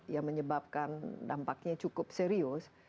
yang menyebabkan dampaknya cukup serius